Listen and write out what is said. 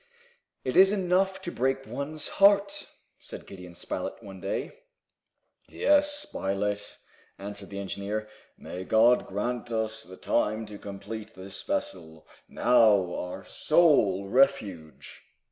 "It is enough to break one's heart!" said Gideon Spilett, one day. "Yes, Spilett," answered the engineer. "May God grant us the time to complete this vessel, now our sole refuge!"